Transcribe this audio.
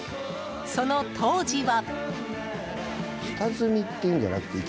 その当時は。